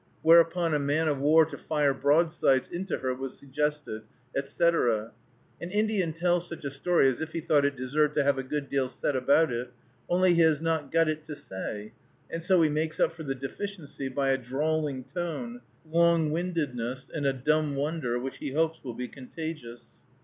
Whereupon a man of war to fire broadsides into her was suggested, etc. An Indian tells such a story as if he thought it deserved to have a good deal said about it, only he has not got it to say, and so he makes up for the deficiency by a drawling tone, long windedness, and a dumb wonder which he hopes will be contagious.